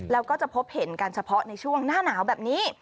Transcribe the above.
แล้วก็จะพบเห็นกันเฉพาะในช่วงหน้าหนาวแบบนี้